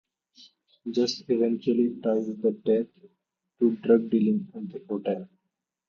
Just eventually ties the death to drug dealing at the hotel.